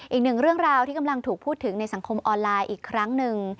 อีกหนึ่งเรื่องราวที่กำลังถูกพูดถึงในสังคมออนไลน์อีกครั้งหนึ่ง